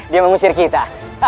dia mengusir kita